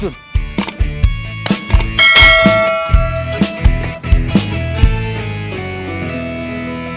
yang keras dut